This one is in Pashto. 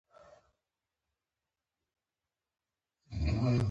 افغانستان په خپلو رسوبونو باندې پوره او مستقیمه تکیه لري.